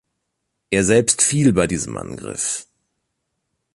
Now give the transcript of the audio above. Er selbst fiel bei diesem Angriff.